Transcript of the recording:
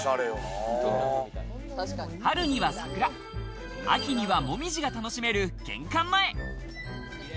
春には桜、秋には紅葉が楽しめる玄関前。